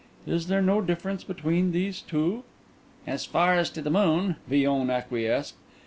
Is there no difference between these two?" "As far as to the moon," Villon acquiesced.